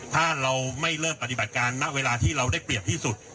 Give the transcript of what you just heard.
ถ้าเราไม่เริ่มปฏิบัติการณเวลาที่เราได้เปรียบที่สุด